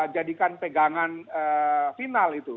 jadikan pegangan final itu